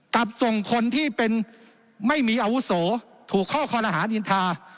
กับส่งคนที่เป็นไม่มีอาวุโสถูกข้อคอลหารอินทา